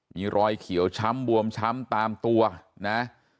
มีรอยเขียวช้ำบวมช้ำตามตัวนะ